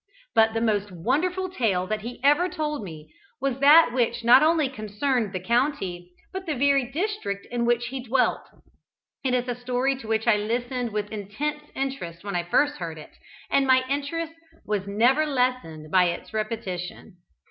But the most wonderful tale that he ever told me was that which not only concerned the county, but the very district in which he dwelt. It is a story to which I listened with intense interest when first I heard it, and my interest was never lessened by its repetition.